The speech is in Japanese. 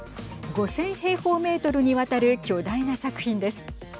５０００平方メートルにわたる巨大な作品です。